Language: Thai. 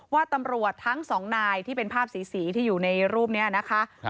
ว่าตำรวจทั้งสองนายที่เป็นภาพสีที่อยู่ในรูปนี้นะคะ